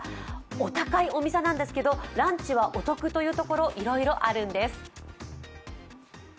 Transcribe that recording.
お高いお店なんですけど、ランチはお得というところいろいろあるんです。